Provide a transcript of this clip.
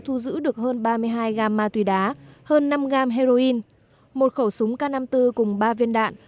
thu giữ được hơn ba mươi hai gam ma túy đá hơn năm gram heroin một khẩu súng k năm mươi bốn cùng ba viên đạn